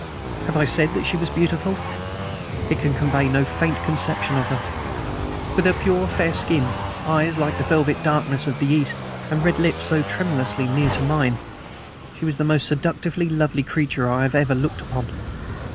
Have I said that she was beautiful? It can convey no faint conception of her. With her pure, fair skin, eyes like the velvet darkness of the East, and red lips so tremulously near to mine, she was the most seductively lovely creature I ever had looked upon.